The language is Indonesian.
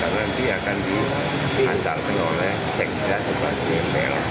karena nanti akan diantar oleh sekta sebagai plk